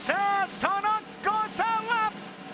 その誤差は？